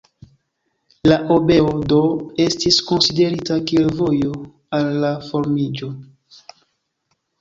La obeo, do, estis konsiderita kiel vojo al la formiĝo.